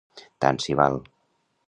Tant s'hi val.